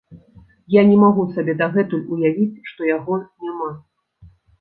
Я не магу сабе дагэтуль уявіць, што яго няма.